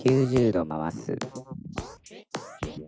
「９０度回す」